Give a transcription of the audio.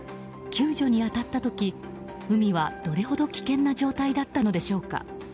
救助に当たった時に海はどれほど危険な状態だったのでしょうか。